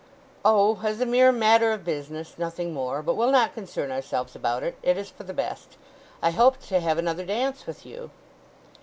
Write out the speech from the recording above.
"Oh—as a mere matter of business—nothing more. But we'll not concern ourselves about it—it is for the best. I hoped to have another dance with you."